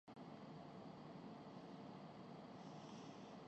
پس آپ کو روزانہ کے مطابق اپنا سمارٹ فون استعمال کر ہے